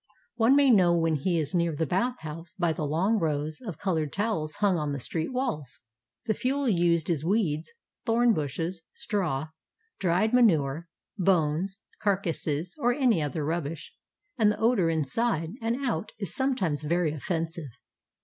One may know when he is near the bath house by the long rows of colored towels hung on the street walls. The fuel used is weeds, thorn bushes, straw, dried ma nure, bones, carcasses, or any other rubbish, and the odor inside and out is sometimes very offensive.